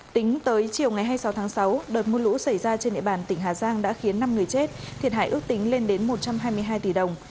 tính tới chiều ngày hai mươi sáu tháng sáu đợt mưa lũ xảy ra trên địa bàn tỉnh hà giang đã khiến năm người chết thiệt hại ước tính lên đến một trăm hai mươi hai tỷ đồng